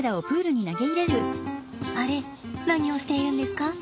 あれ何をしているんですか？